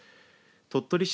鳥取市